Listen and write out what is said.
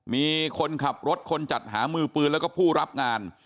มีคนขับรถคนจัดหามือปืนแล้วก็ผู้รับงาน